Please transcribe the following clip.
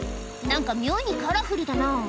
何か妙にカラフルだな